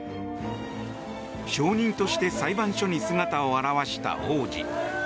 証人として裁判所に姿を現した王子。